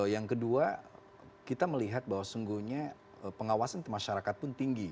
yang kedua kita melihat bahwa sungguhnya pengawasan di masyarakat pun tinggi